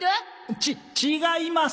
ち違います。